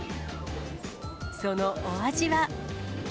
そのお味は。